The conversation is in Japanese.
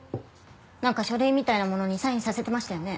なんか書類みたいなものにサインさせてましたよね？